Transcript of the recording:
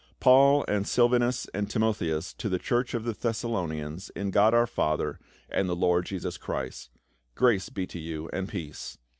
*" Paul and Silvanus and Timotheus, to the church of the Thessalonians, in God our Father, and the Lord Jesus Christ : Grace be to you and peace.